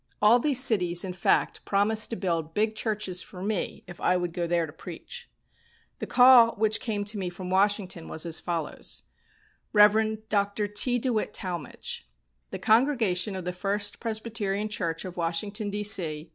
All these cities, in fact, promised to build big churches for me if I would go there to preach. The call which came to me from Washington was as follows: "Rev. Dr. T. DeWitt Talmage "The congregation of the First Presbyterian Church, of Washington, D.C.